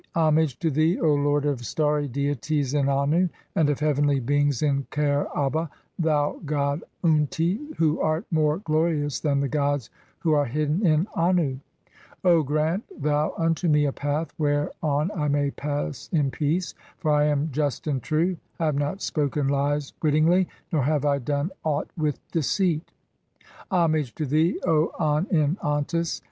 (i) "Homage to thee, [0 lord of] starry deities in Annu, and 'of heavenly beings in Kher aba ; thou god Unti, who art more 'glorious than the gods who are hidden in Annu ; (10) O grant 1 'thou unto me a path whereon I may pass in peace, for I am 'just and true ; I have not spoken lies wittingly, nor have I done 'aught with deceit." (2) "Homage to thee, O An in Antes